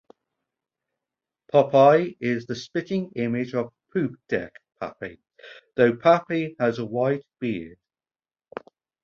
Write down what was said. Popeye is the spitting image of Poopdeck Pappy, though Pappy has a white beard.